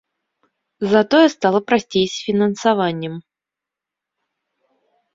Затое стала прасцей з фінансаваннем.